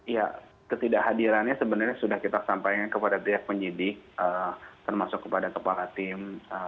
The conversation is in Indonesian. ya ketidakhadirannya sebenarnya sudah kita sampaikan kepada pihak penyidik termasuk kepada kepala tim